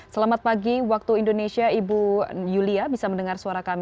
selamat pagi waktu indonesia ibu yulia bisa mendengar suara kami